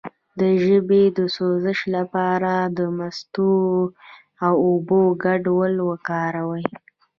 د ژبې د سوزش لپاره د مستو او اوبو ګډول وکاروئ